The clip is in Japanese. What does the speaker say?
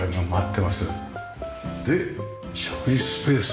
で食事スペース。